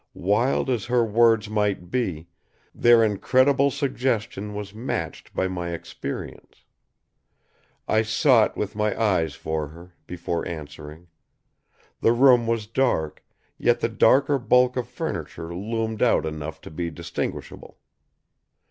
Wild as her words might be, their incredible suggestion was matched by my experience. I sought with my eyes for her, before answering. The room was dark, yet the darker bulk of furniture loomed out enough to be distinguishable.